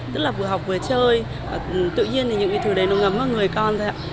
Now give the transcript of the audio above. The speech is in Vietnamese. rất là vừa học vừa chơi tự nhiên thì những cái thứ đấy nó ngấm vào người con thôi ạ